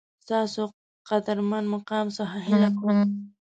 ستاسو قدرمن مقام څخه هیله کوم